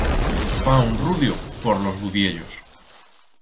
Fa un rudio por los budiellos.